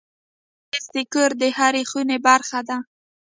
مېز د کور د هرې خونې برخه ده.